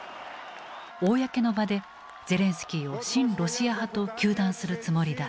公の場でゼレンスキーを親ロシア派と糾弾するつもりだった。